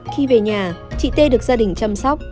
khi về nhà chị t được gia đình chăm sóc